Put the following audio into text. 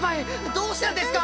どうしたんですか！？